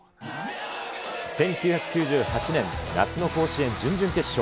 １９９８年夏の甲子園準々決勝。